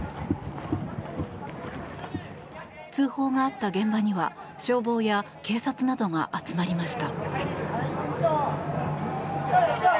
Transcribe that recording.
通報があった現場には消防や警察などが集まりました。